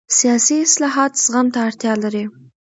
سیاسي اصلاحات زغم ته اړتیا لري